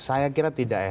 saya kira tidak ya